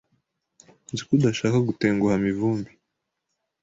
Nzi ko udashaka gutenguha Mivumbi.